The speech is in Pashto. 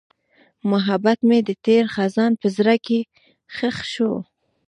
محبت مې د تېر خزان په زړه کې ښخ شو.